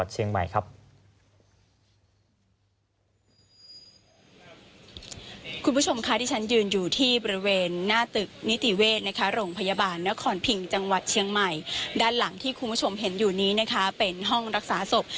จังหวัดเชียงใหม่ครับ